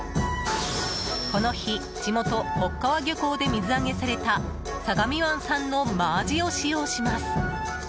この日地元・北川漁港で水揚げされた相模湾産の真アジを使用します。